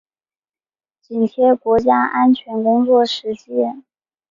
紧贴国家安全工作实际